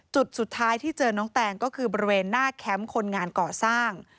จุดสุดท้ายที่เจอน้องแตงก็คือบริเวณหน้าแคมป์คนงานก่อสร้าง